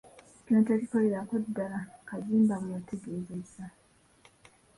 "Kino tekikolerako ddala,” Kazimba bwe yategeezezza.